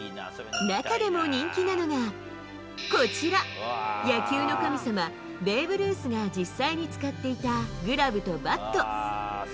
中でも人気なのが、こちら、野球の神様、ベーブ・ルースが実際に使っていたグラブとバット。